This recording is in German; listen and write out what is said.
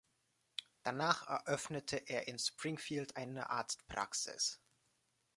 Danach eröffnete er in Springfield eine Arztpraxis.